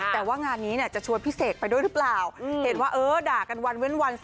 แต่ว่างานนี้เนี่ยจะชวนพี่เสกไปด้วยหรือเปล่าเห็นว่าเออด่ากันวันเว้นวัน